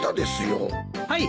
はい。